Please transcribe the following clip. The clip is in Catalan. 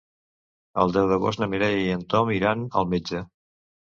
El deu d'agost na Mireia i en Tom iran al metge.